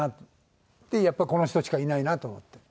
でやっぱりこの人しかいないなと思って。